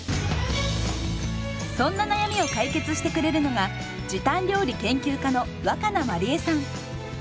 そんな悩みを解決してくれるのが時短料理研究家の若菜まりえさん。